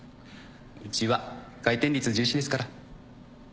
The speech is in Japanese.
うちは回転率重視ですから。